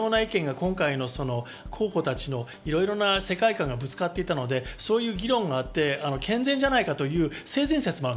今回の候補たちのいろいろな世界観がぶつかっていたので、そういう議論があって健全じゃないかという性善説もある。